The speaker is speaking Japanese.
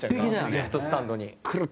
レフトスタンドに。